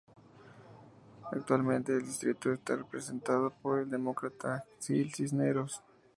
Actualmente el distrito está representado por el Demócrata Gil Cisneros.